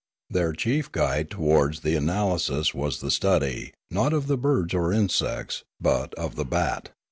Their chief guide towards the analysis was the study, not of birds or insects, but of the bat.